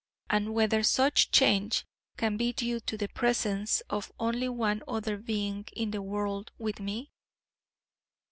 And whether such change can be due to the presence of only one other being in the world with me?